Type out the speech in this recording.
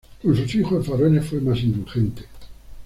Con sus hijos varones fue más indulgente.